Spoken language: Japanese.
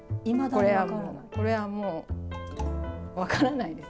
これはもう、これはもう分からないです。